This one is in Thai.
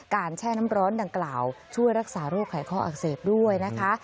แช่น้ำร้อนดังกล่าวช่วยรักษาโรคไขข้ออักเสบด้วยนะคะ